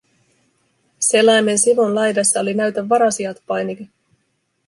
selaimen sivun laidassa oli näytä varasijat -painike.